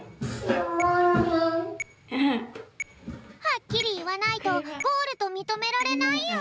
はっきりいわないとゴールとみとめられないよ。